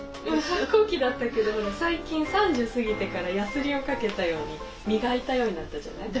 反抗期だったけど最近３０過ぎてからヤスリをかけたように磨いたようになったじゃない。